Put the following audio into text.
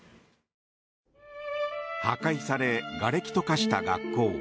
破壊されがれきと化した学校。